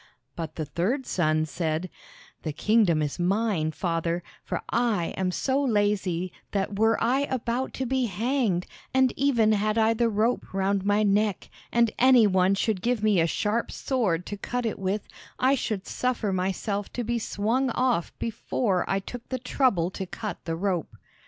But the third son said: "The kingdom is mine, father, for I am so lazy that, were I about to be hanged, and even had I the rope round my neck, and any one should give me a sharp sword to cut it with, I should suffer myself to be swung off before I took the trouble to cut the rope!"